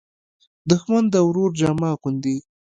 دښمن د ورور جامه اغوندي